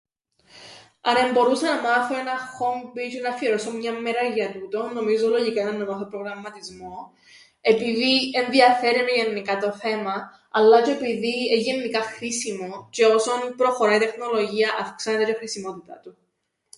Αν εμπορούσα να μάθω έναν χόμπιν τζ̆αι να αφιερώσω μιαν μέρα για τούτον νομίζω λογικά ήταν να μάθω προγραμματισμόν, επειδή ενδιαφέρει με γεννικά το θέμαν αλλά τζ̆αι επειδή εν' γεννικά χρήσιμον τζ̆αι όσον προχωρά η τεχνολογία αυξάνεται η χρησιμότητα του.